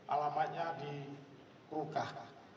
alamanya di rukah